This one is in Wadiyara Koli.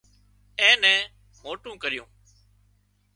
اين نين موٽون ڪريون